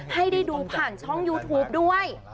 ให้ได้ดูผ่านช่องยูทูปด้วย